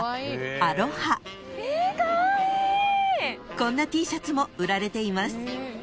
［こんなＴシャツも売られています］